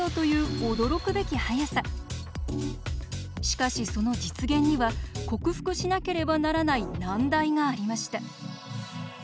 しかしその実現には克服しなければならない難題がありました。